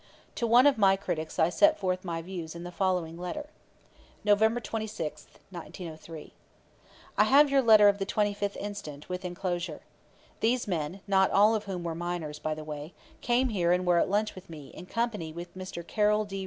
To one of my critics I set forth my views in the following letter: November 26, 1903. "I have your letter of the 25th instant, with enclosure. These men, not all of whom were miners, by the way, came here and were at lunch with me, in company with Mr. Carroll D.